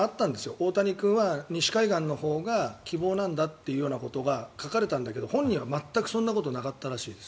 大谷君は西海岸のほうが希望なんだって書かれたんだけど本人は全くそんなことはなかったらしい。